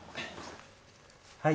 はい。